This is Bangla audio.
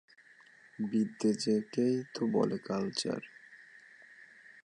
বিদ্যেকেই তো বলে কালচার।